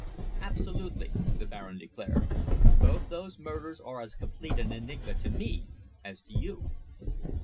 "Absolutely!" the Baron declared. "Both those murders are as complete an enigma to me as to you."